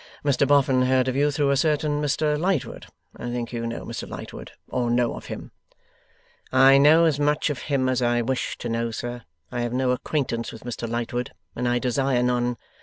Mr Boffin heard of you through a certain Mr Lightwood. I think you know Mr Lightwood, or know of him?' 'I know as much of him as I wish to know, sir. I have no acquaintance with Mr Lightwood, and I desire none.